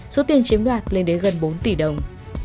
số tiền chiếm đoạt lên đến gần bốn tỷ đồng